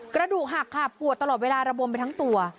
กระดูกหักค่ะปวดตลอดเวลาระบมไปทั้งตัว